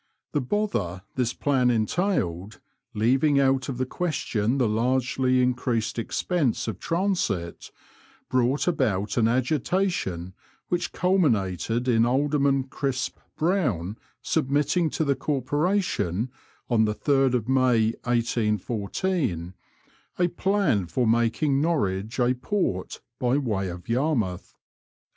The bother this plan entailed, leaving out of the question the largely increased expense of transit, brought about an agitation which culminated in Alderman Crisp Brown submitting to the Corporation, on the 8rd May, 1814, a plan for making Norwich a port by way of Yarmouth.